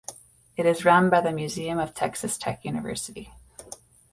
It is run by the Museum of Texas Tech University.